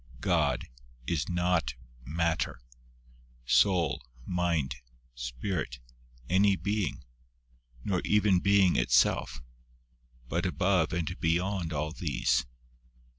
God is not matter soul, mind, spirit, any being, nor even being itself, but above and beyond all these.